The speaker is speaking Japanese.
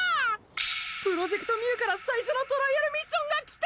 プロジェクト・ミュウから最初のトライアルミッションがきた！